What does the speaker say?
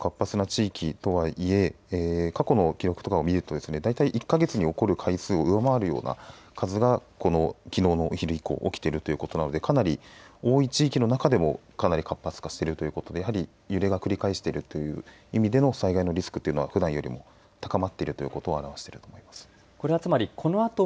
もともと地震活動活発な地域とはいえ過去の記録とかを見るとだいたい１か月に起きる回数を上回るような数がきのうのお昼以降起きているということなのでかなり多い地域の中でもかなり活発化してるということで揺れが繰り返しているという意味での災害のリスクというのはふだん揺れも高まっているということを表していると思います。